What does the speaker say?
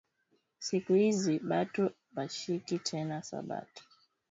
Siku izi batu abashiki tena sabato